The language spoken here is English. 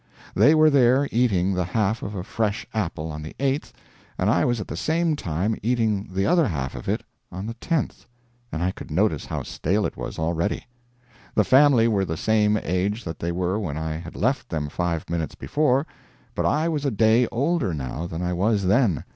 They were there eating the half of a fresh apple on the 8th, and I was at the same time eating the other half of it on the 10th and I could notice how stale it was, already. The family were the same age that they were when I had left them five minutes before, but I was a day older now than I was then.